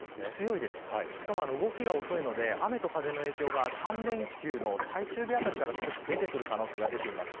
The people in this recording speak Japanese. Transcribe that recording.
しかも動きが遅いので雨と風の影響が３連休の最終日あたりから出てくる可能性があります。